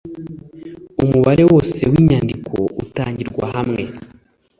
umubare wose w ‘inyandiko utangirwa hamwe.